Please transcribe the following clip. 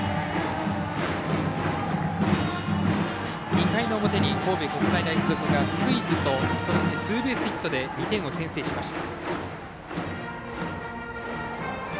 ２回の表に神戸国際大付属がスクイズとツーベースヒットで２点を先制しました。